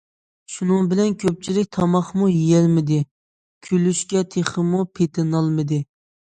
شۇنىڭ بىلەن كۆپچىلىك تاماقمۇ يېيەلمىدى، كۈلۈشكە تېخىمۇ پېتىنالمىدى.